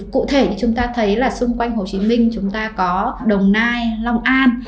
cụ thể như chúng ta thấy là xung quanh hồ chí minh chúng ta có đồng nai long an